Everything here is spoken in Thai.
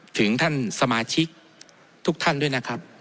ถึงท่านสมาชิกทุกท่านด้วยนะครับ